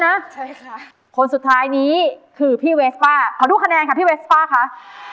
ใช่โคนสุดท้ายนี้คือพี่เวสป้าเขารูคะแนนว่าแนนพี่เวสป้าเยอะ